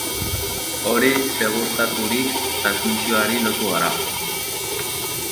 Hori segurtaturik, transmisioari lotu gara.